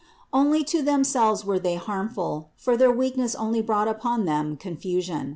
Only to themselves were they harmful, for their weakness only brought upon them confusion.